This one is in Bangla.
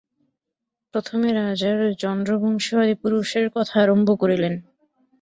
প্রথমে রাজার চন্দ্রবংশীয় আদিপুরুষের কথা আরম্ভ করিলেন।